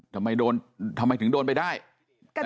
ทำไมถึงโดนไปด้าย